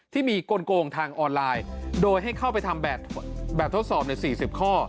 ที่มีกลงทางออนไลน์โดยให้เข้าไปทำแบบทดสอบใน๔๐ข้อ